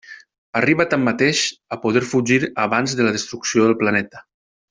Arriba tanmateix a poder fugir abans de la destrucció del planeta.